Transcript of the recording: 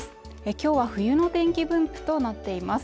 今日は冬の天気分布となっています。